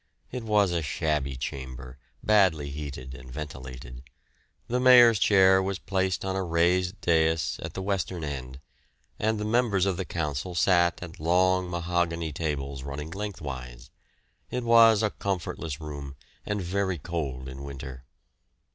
It was a shabby chamber, badly heated and ventilated; the Mayor's chair was placed on a raised dais at the western end, and the members of the Council sat at long mahogany tables running lengthwise. It was a comfortless room, and very cold in winter.